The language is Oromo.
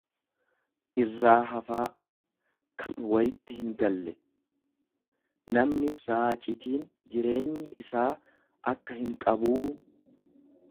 irraa hafaa, kan wayitti hingalle; Namni raacitiin jireenyi isaa akka hinqabuu.